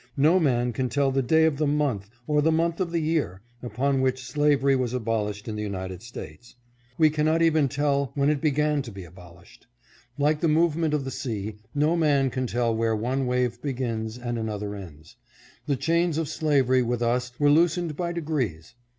No man can tell the day of the month, or the month of the year, upon which slavery was abolished in the United States. We cannot even tell when it began to be abol ished. Like the movement of the sea, no man can tell where one wave begins and another ends. The chains of slavery with us were loosened by degrees.